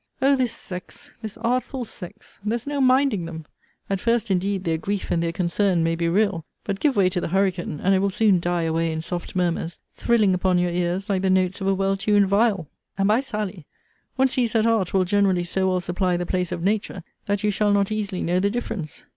O this sex! this artful sex! there's no minding them. At first, indeed, their grief and their concern may be real: but, give way to the hurricane, and it will soon die away in soft murmurs, thrilling upon your ears like the notes of a well tuned viol. And, by Sally, one sees that art will generally so well supply the place of nature, that you shall not easily know the difference.